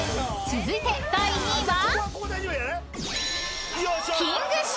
［続いて第３位は？］